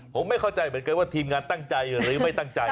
ผมไม่เข้าใจเหมือนกันว่าทีมงานตั้งใจหรือไม่ตั้งใจ